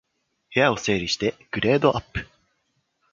部屋を整理してグレードアップ